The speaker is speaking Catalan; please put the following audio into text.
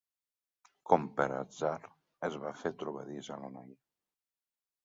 Com per atzar, es va fer trobadís a la noia.